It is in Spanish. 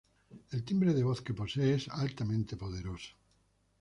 El timbre de voz que posee es altamente poderoso.